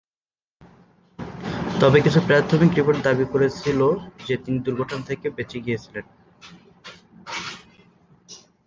তবে কিছু প্রাথমিক রিপোর্ট দাবি করেছিলো যে তিনি দুর্ঘটনা থেকে বেঁচে গিয়েছিলেন।